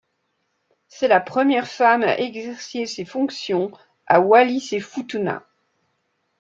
C'est la première femme à exercer ces fonctions à Wallis-et-Futuna.